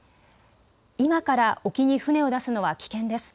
今から沖に船を出すのは危険です。